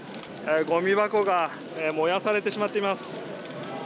ゴミ箱が燃やされてしまっています。